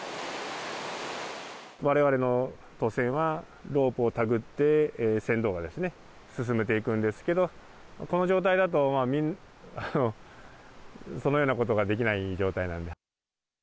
われわれの渡船は、ロープを手繰って船頭が進めていくんですけど、この状態だと、そのようなことができない状態なので。